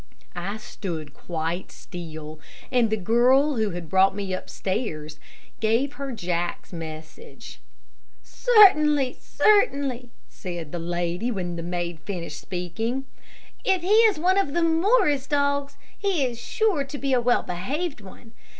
I stood quite still, and the girl who had brought me upstairs, gave her Jack's message. "Certainly, certainly," said the lady, when the maid finished speaking. "If he is one of the Morris dogs, he is sure to be a well behaved one.